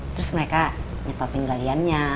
terus mereka nyetopin galiannya